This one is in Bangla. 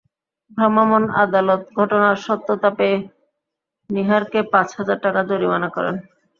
ভ্রাম্যমাণ আদালত ঘটনার সত্যতা পেয়ে নিহারকে পাঁচ হাজার টাকা জরিমানা করেন।